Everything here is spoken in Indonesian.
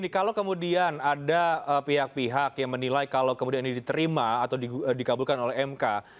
kalau kemudian ada pihak pihak yang menilai kalau kemudian ini diterima atau dikabulkan oleh mk